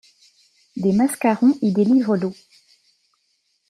Des mascarons y délivrent l'eau.